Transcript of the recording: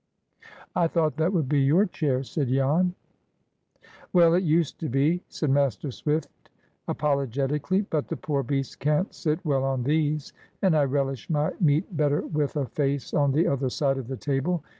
"I thought that would be your chair," said Jan. [Picture: "I thought that would be your chair..."] "Well, it used to be," said Master Swift, apologetically. "But the poor beast can't sit well on these, and I relish my meat better with a face on the other side of the table.